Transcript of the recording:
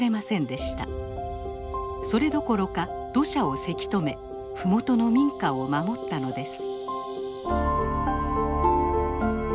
それどころか土砂をせき止め麓の民家を守ったのです。